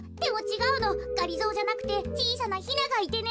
がりぞーじゃなくてちいさなヒナがいてね。